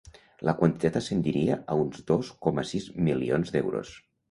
La quantitat ascendiria a uns dos coma sis milions d’euros.